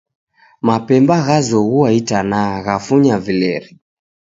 Mapemba ghazoghua itanaha, ghafunya vileri